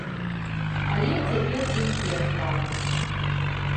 Але цяпер іншыя справы.